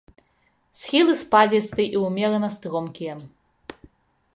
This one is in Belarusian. Схілы спадзістыя і ўмерана стромкія.